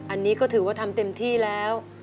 อันนี้ก็ถือว่าทำเต็มที่แล้ว